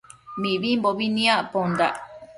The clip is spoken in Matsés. Mibimbobi nicpondac